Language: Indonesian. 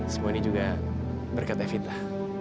semua ini juga berkat evita